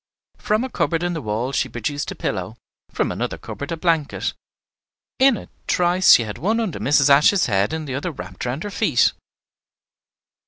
From a cupboard in the wall she produced a pillow, from another cupboard a blanket; in a trice she had one under Mrs. Ashe's head and the other wrapped round her feet.